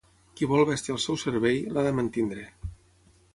Qui vol bèstia al seu servei, l'ha de mantenir.